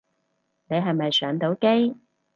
你係咪上到機